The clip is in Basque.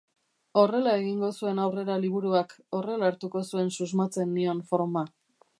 Horrela egingo zuen aurrera liburuak, horrela hartuko zuen susmatzen nion forma.